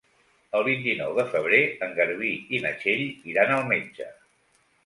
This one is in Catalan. El vint-i-nou de febrer en Garbí i na Txell iran al metge.